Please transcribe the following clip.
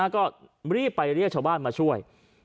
ก็รีบไปเรียกชาวบ้านมาช่วย